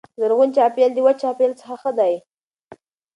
زرغون چاپیریال د وچ چاپیریال څخه ښه دی.